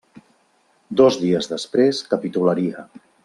Dos dies després capitularia.